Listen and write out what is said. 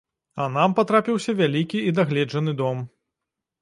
А нам патрапіўся вялікі і дагледжаны дом.